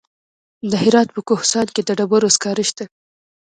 د هرات په کهسان کې د ډبرو سکاره شته.